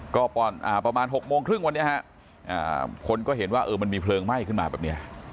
ก็ประมาณ๖โมงครึ่งวันนี้ฮะคนก็เห็นว่ามันมีเพลิงไหม้ขึ้นมาแบบนี้